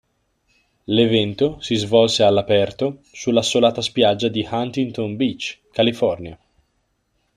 L'evento si svolse all'aperto sull'assolata spiaggia di Huntington Beach, California.